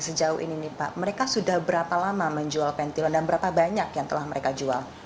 sejauh ini nih pak mereka sudah berapa lama menjual pentilon dan berapa banyak yang telah mereka jual